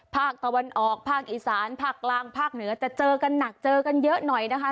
ภาคตะวันออกภาคอีสานภาคกลางภาคเหนือจะเจอกันหนักเจอกันเยอะหน่อยนะคะ